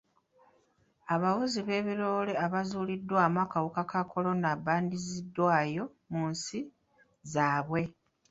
Abavuzi ba biroole abaazuuliddwamu akawuka ka kolona baddiziddwayo mu nsi zaabwe.